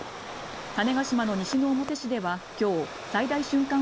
種子島の西之表市では今日最大瞬間